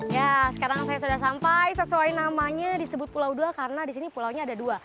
ya sekarang saya sudah sampai sesuai namanya disebut pulau dua karena di sini pulaunya ada dua